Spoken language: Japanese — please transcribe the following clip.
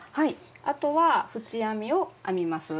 あとは縁編みを編みます。